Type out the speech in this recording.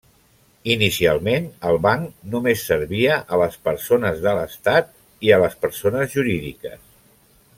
Inicialment, el banc només servia a les persones de l'estat i a les persones jurídiques.